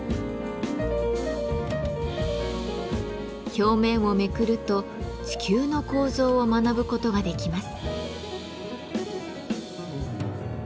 表面をめくると地球の構造を学ぶことができます。